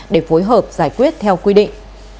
để phối hợp giải quyết theo quy định